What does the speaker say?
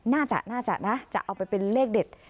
น่าจะน่าจะนะจะเอาไปเป็นเลขเด็ด